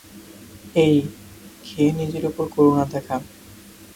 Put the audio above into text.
এই, খেয়ে নিজের ওপর করুণা দেখা।